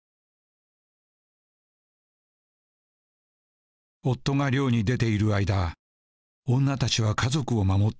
夫が漁に出ている間女たちは家族を守ってきた。